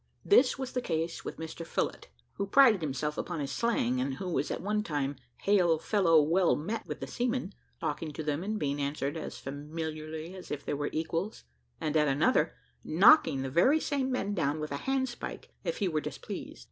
This was the case with Mr Phillott, who prided himself upon his slang, and who was at one time "hail fellow, well met" with the seamen, talking to them, and being answered as familiarly as if they were equals, and at another, knocking the very same men down with a handspike if he were displeased.